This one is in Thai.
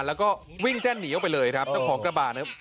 แล้วก็วิ่งแจ้นหนีออกไปเลยครับเจ้าของกระบาดนะครับ